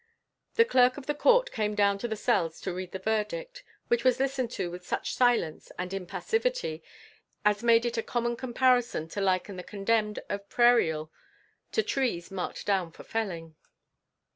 The Clerk of the Court came down to the cells to read the verdict, which was listened to with such silence and impassivity as made it a common comparison to liken the condemned of Prairial to trees marked down for felling.